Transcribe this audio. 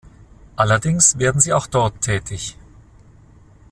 Allerdings werden sie auch dort tätig.